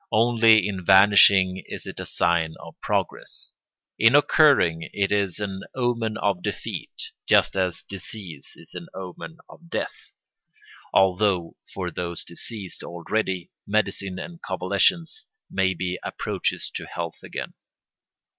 Only in vanishing is it a sign of progress; in occurring it is an omen of defeat, just as disease is an omen of death, although, for those diseased already, medicine and convalescence may be approaches to health again.